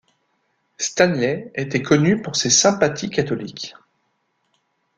Stanley était connu pour ses sympathies catholiques.